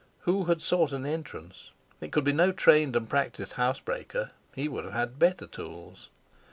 Who had sought an entrance? It could be no trained and practised housebreaker; he would have had better tools.